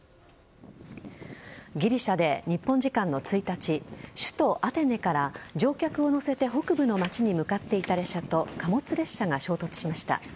ギリシャで日本時間の１日首都・アテネから乗客を乗せて北部の街に向かっていた列車と貨物列車が衝突しました。